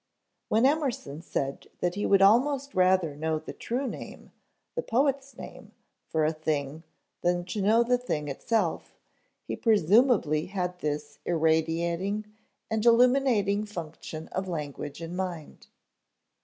When Emerson said that he would almost rather know the true name, the poet's name, for a thing, than to know the thing itself, he presumably had this irradiating and illuminating function of language in mind.